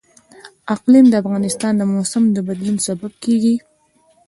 اقلیم د افغانستان د موسم د بدلون سبب کېږي.